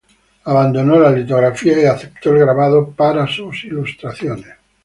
Abandonó la litografía y aceptó el grabado para sus ilustraciones.